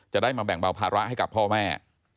จะได้มาแบ่งเบาภาระให้กับพ่อแม่